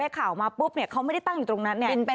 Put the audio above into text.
ข่าวมาปุ๊บเขาไม่ได้ตั้งอยู่ตรงนั้น